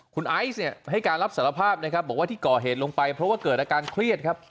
คุณไอซ์เนี่ยให้การรับสารภาพนะครับบอกว่าที่ก่อเหตุลงไปเพราะว่าเกิดอาการเครียดครับ